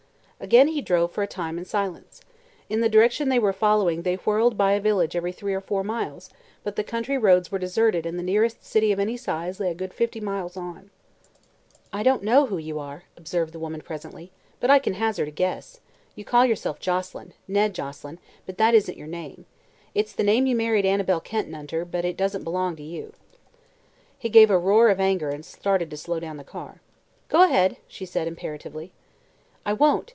Again he drove for a time in silence. In the direction they were following they whirled by a village every three or four miles, but the country roads were deserted and the nearest city of any size lay a good fifty miles on. "I don't know who you are," observed the woman presently, "but I can hazard a guess. You call yourself Joselyn Ned Joselyn but that isn't your name. It's the name you married Annabel Kenton under, but it doesn't belong to you." He gave a roar of anger and started to slow down the car. "Go ahead!" she said imperatively. "I won't.